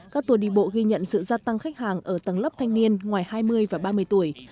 các tùa đi bộ ghi nhận sự gia tăng khách hàng ở tầng lớp thanh niên ngoài hai mươi và ba mươi tuổi